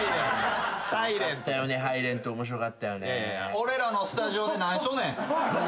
俺らのスタジオで何しとんねん！